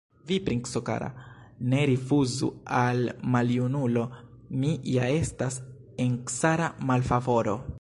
Vi, princo kara, ne rifuzu al maljunulo, mi ja estas en cara malfavoro!